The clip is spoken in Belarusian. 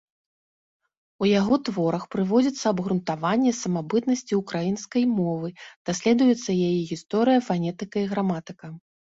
У яго творах прыводзіцца абгрунтаванне самабытнасці ўкраінскай мовы, даследуецца яе гісторыя, фанетыка і граматыка.